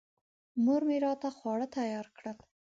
مور مې راته خواړه تیار کړل.